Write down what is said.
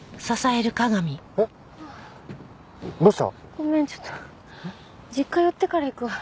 ごめんちょっと実家寄ってから行くわ。